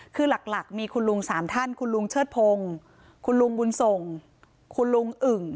คือหลักมีคุณลุงสามท่านคุณลุงเชิดพงศ์คุณลุงบุญส่งคุณลุงอึ่ง